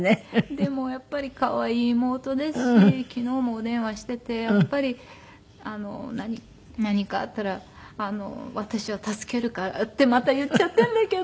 でもやっぱり可愛い妹ですし昨日もお電話していて何かあったら私は助けるからってまた言っちゃったんだけど。